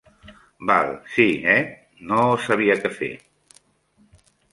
Val, sí, eh?, no sabia què fer.